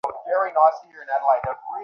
হ্যাঁ, এদের সবাই ভারতীয় ক্রিকেটার।